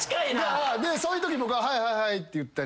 そういうとき僕は「はいはいはい」って言ったり。